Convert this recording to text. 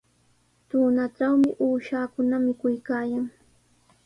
Tunatrawmi uushakuna mikuykaayan.